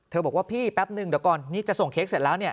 บอกว่าพี่แป๊บนึงเดี๋ยวก่อนนี่จะส่งเค้กเสร็จแล้ว